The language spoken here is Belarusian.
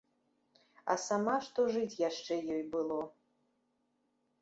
А сама што жыць яшчэ ёй было.